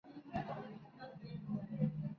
Es un precursor de la "Square dance" tradicional.